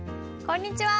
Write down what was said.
こんにちは。